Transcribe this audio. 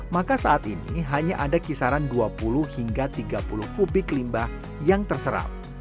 maka saat ini hanya ada kisaran dua puluh hingga tiga puluh kubik limbah yang terserap